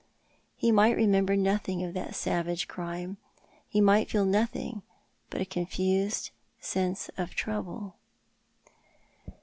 He might remember nothing of that savage crime — he might feel nothing but a confused sense of trouble."